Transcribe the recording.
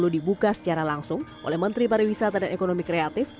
dibuka secara langsung oleh menteri pariwisata dan ekonomi kreatif